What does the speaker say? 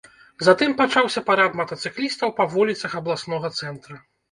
Затым пачаўся парад матацыклістаў па вуліцах абласнога цэнтра.